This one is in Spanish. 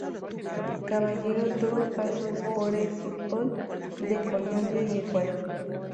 Caballero tuvo pasos por el fútbol de Colombia y Ecuador.